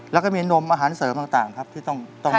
แล้วก็มีนมอาหารเสริมต่างครับที่ต้อง